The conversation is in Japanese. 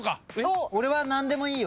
俺は何でもいいよ。